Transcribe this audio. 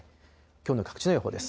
きょうの各地の予報です。